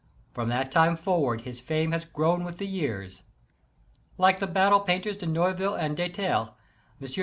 From that time forward his fame has grown with the years. Like the battle painters de NeuN'ille and Detaille, M.